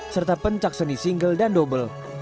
serta pencakseni single dan double